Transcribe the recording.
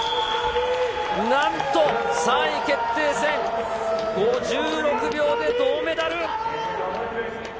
なんと３位決定戦、５６秒で銅メダル。